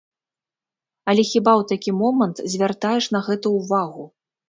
Але хіба ў такі момант звяртаеш на гэта ўвагу?!